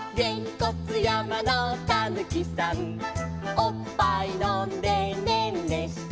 「おっぱい飲んでねんねして」